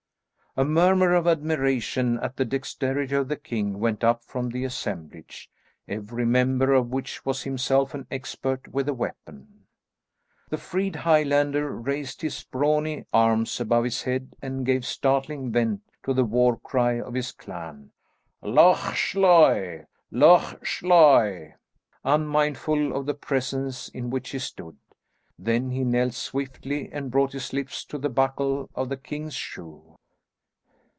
A murmur of admiration at the dexterity of the king went up from the assemblage, every member of which was himself an expert with the weapon. The freed Highlander raised his brawny arms above his head and gave startling vent to the war cry of his clan, "Loch Sloy! Loch Sloy!" unmindful of the presence in which he stood. Then he knelt swiftly and brought his lips to the buckle of the king's shoe.